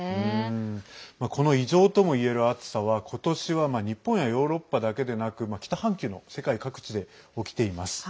この異常ともいえる暑さはことしは日本やヨーロッパだけでなく北半球の世界各地で起きています。